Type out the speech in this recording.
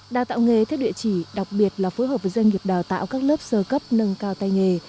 đào tạo nghề theo địa chỉ đặc biệt là phối hợp với doanh nghiệp đào tạo các lớp sơ cấp nâng cao tay nghề